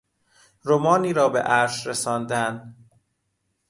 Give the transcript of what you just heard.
رمانی را به عرش رساندن